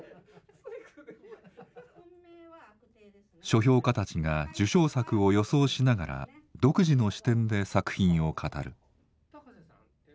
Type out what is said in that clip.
書評家たちが受賞作を予想しながら独自の視点で作品を語る。